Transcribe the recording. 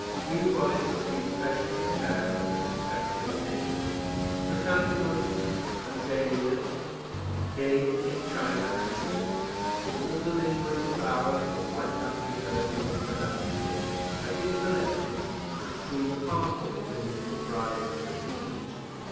New bonnets had been specially prepared for this festive occasion. Chrysanthemums and dahlias, gay looking China asters, and all the lingering flowers that light up the early winter landscape, had been collected to strew the pathway beneath the bride's pretty feet.